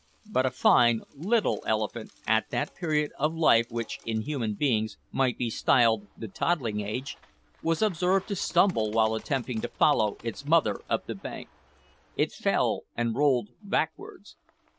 But a fine little elephant, at that period of life which, in human beings, might be styled the toddling age, was observed to stumble while attempting to follow its mother up the bank. It fell and rolled backwards.